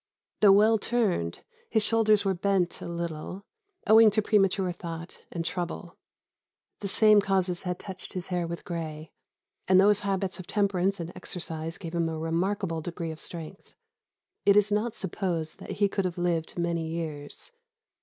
Though well turned, his shoulders were bent a little, owing to premature thought and trouble. The same causes had touched his hair with gray; and though his habits of temperance and exercise gave him a remarkable degree of strength, it is not supposed that he could have lived many years.